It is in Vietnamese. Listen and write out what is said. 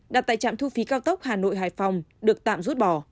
đặt tại trạm thu phí cao tốc hà nội hải phòng được tạm rút bỏ